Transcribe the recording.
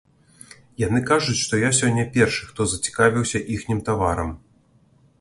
Яны кажуць, што я сёння першы, хто зацікавіўся іхнім таварам.